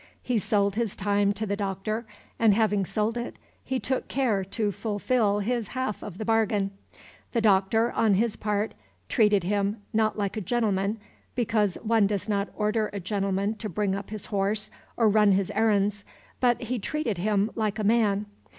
He sold his time to the Doctor, and, having sold it, he took care to fulfil his half of the bargain. The Doctor, on his part, treated him, not like a gentleman, because one does not order a gentleman to bring up his horse or run his errands, but he treated him like a man.